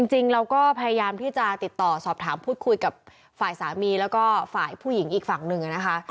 จริงเราก็พยายามที่จะติดต่อสอบถามพูดคุยกับฝ่ายสามีแล้วก็ฝ่ายผู้หญิงอีกฝั่งหนึ่งนะคะ